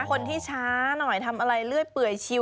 คนที่ช้าหน่อยทำอะไรเรื่อยเปื่อยชิว